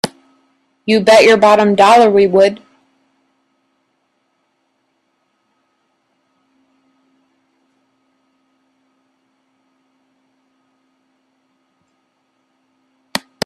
You bet your bottom dollar we would!